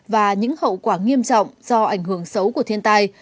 và những hậu quả nghiêm trọng do ảnh hưởng xấu của thiên tai